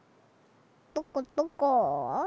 どこどこ？